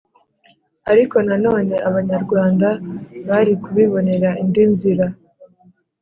ariko na none abanyarwanda bari kubibonera indi nzira,